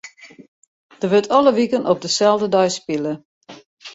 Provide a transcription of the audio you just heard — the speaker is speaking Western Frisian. Der wurdt alle wiken op deselde dei spile.